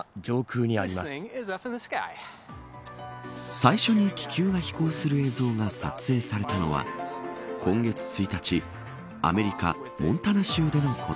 最初に気球が飛行する映像が撮影されたのは今月１日アメリカ、モンタナ州でのこと。